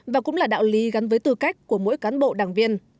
và cũng là đạo lý gắn với tư cách của mỗi cán bộ đảng viên